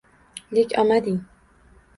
Lek omading